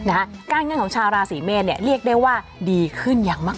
การเงินของชาวราศีเมษเนี่ยเรียกได้ว่าดีขึ้นอย่างมาก